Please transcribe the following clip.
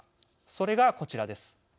それがこちらです。